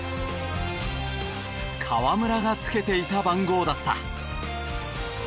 河村がつけていた番号だった。